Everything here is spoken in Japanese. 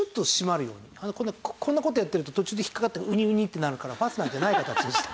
こんな事やってると途中で引っかかってウニウニってなるからファスナーじゃない形にした。